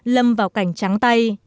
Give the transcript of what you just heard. lâm vào cảnh trắng tay